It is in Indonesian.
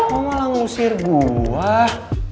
mau malah ngusir gue